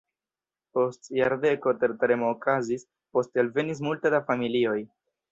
Post jardeko tertremo okazis, poste alvenis multe da familioj.